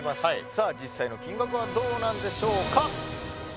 さあ実際の金額はどうなんでしょうか？